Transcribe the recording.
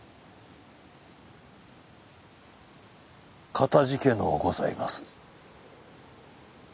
かたじけのうございます。